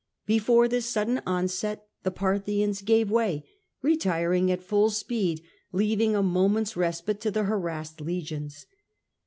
Before this sudden onset the Parthians gave way, retiring at full speed, and leaving a moment's respite to the harrassed legions.